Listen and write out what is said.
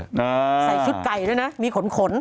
ใส่ชุดไก่ด้วยนะมีขนขน